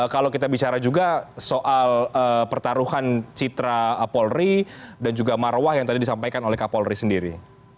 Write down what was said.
kalau kita bicara juga soal pertaruhan citra polri dan juga marwah yang tadi disampaikan oleh kapolri sendiri